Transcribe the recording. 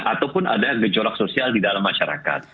ataupun ada gejolak sosial di dalam masyarakat